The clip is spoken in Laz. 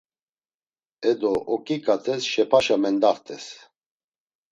Edo, oǩiǩates şepaşa mendaxtes.